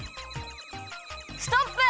ストップ！